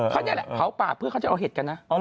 เขานี่แหละเผาป่าเพื่อเขาจะเอาเห็ดกันนะ